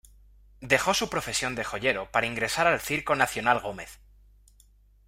Dejó su profesión de Joyero para ingresar al "Circo Nacional Gómez".